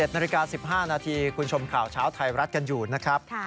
๑นาฬิกา๑๕นาทีคุณชมข่าวเช้าไทยรัฐกันอยู่นะครับ